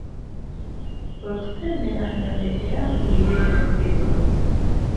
Kwe kusembera ndabe era mpulire ebyogerwa.